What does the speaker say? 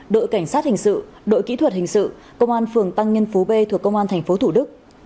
đội cảnh sát hình sự đội kỹ thuật hình sự công an phường tăng nhân phú b thuộc công an tp thủ đức